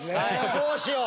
どうしよう？